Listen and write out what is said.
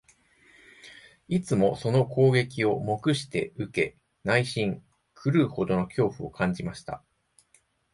いつもその攻撃を黙して受け、内心、狂うほどの恐怖を感じました